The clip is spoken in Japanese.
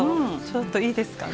ちょっといいですか？